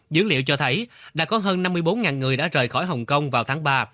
dữ liệu cho thấy đã có hơn năm mươi bốn người đã rời khỏi hồng kông vào tháng ba